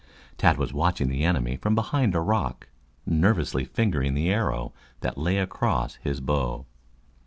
Tad was watching the enemy from behind a rock, nervously fingering the arrow that lay across his bow.